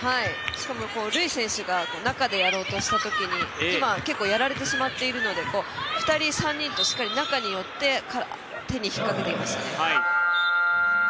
しかもルイ選手が中でやろうとしたときに今、結構やられてしまっているので２人、３人としっかり中に寄ってから手をかけていましたね。